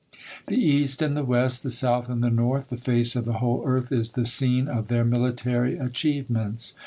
The east, and the west, the south, and the north, the face of the whole earth is the scene of their military achievements.